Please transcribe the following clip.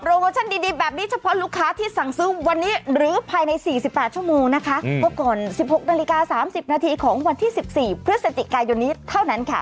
โมชั่นดีแบบนี้เฉพาะลูกค้าที่สั่งซื้อวันนี้หรือภายใน๔๘ชั่วโมงนะคะพบก่อน๑๖นาฬิกา๓๐นาทีของวันที่๑๔พฤศจิกายนนี้เท่านั้นค่ะ